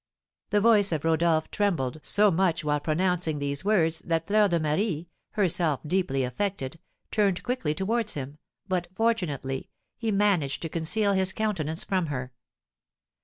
The voice of Rodolph trembled so much while pronouncing these words that Fleur de Marie, herself deeply affected, turned quickly towards him, but, fortunately, he managed to conceal his countenance from her.